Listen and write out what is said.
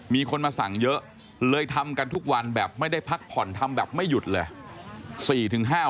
มีคนมาสั่งเยอะเลยทำกันทุกวันแบบไม่ได้พักผ่อนทำแบบไม่หยุดเลย